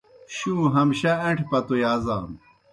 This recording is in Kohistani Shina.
شُوں ہمشہ اݩٹھیْ پتو یازانوْ